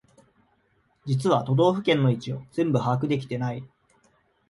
実は都道府県の位置を全部把握できてない